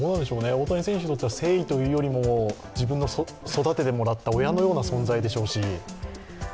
大谷選手にとっては、誠意というよりも、自分を育ててもらった親のような存在でしょうし。